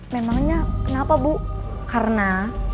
memangnya kenapa bu karena